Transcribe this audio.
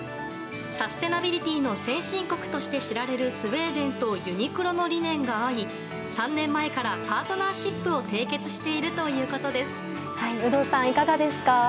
サステナビリティの先進国として知られるスウェーデンとユニクロの理念が合い、３年前からパートナーシップを締結しているという有働さん、いかがですか？